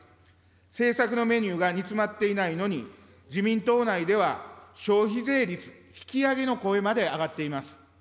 政策のメニューが煮詰まっていないのに、自民党内では消費税率引き上げの声まで上がっています。